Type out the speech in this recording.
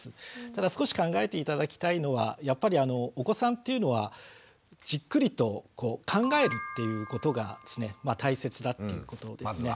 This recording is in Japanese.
ただ少し考えて頂きたいのはやっぱりお子さんっていうのはじっくりと考えるっていうことが大切だっていうことですね。